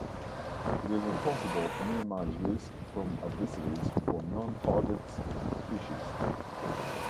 It is impossible to minimize risk from avicides for non-targets species.